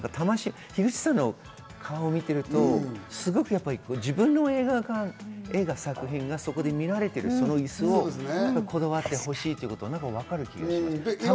樋口さんの顔を見ていると、すごく自分の映画が作品がそこで見られている、そのイスをこだわって欲しいということは分かる気がします。